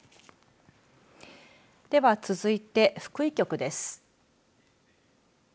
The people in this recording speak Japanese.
では続いて福井局です。